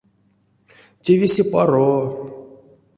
Те весе паро.